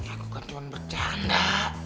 aku kan cuma bercanda